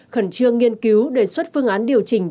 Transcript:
khẩn trương nghiên cứu đề xuất phương án điều chỉnh